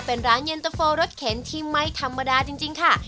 เป็นร้านเย็นตะโฟรสเข็นที่ไม่ธรรมดาจริงค่ะ